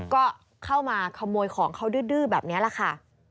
ก็เข้ามาขโมยของเขาดื้อแบบนี้แหละค่ะ